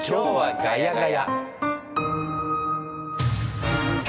ガヤ！ガヤ！」